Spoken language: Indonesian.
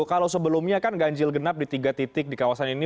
kalau sebelumnya kan ganjil genap di tiga titik di kawasan ini